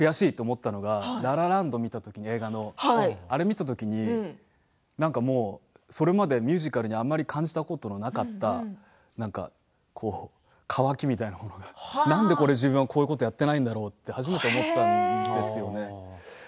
初めて自分が悔しいと思ったのは映画の「ラ・ラ・ランド」見たときにそれまでミュージカルであまり感じたことがなかった渇きみたいなものなんで自分はこういうことをやっていないんだろうと初めて思ったんですよね。